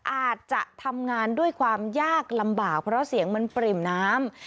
อาจจะทำงานด้วยความยากลำบากเพราะเสียงมันปริ่มน้ำ